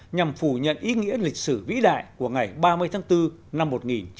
nhằm phủ nhận ý nghĩa lịch sử vĩ đại của ngày ba mươi tháng bốn năm một nghìn chín trăm bảy mươi năm